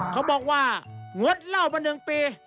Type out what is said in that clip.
เขาบอกว่างดเหล้ามา๑ปี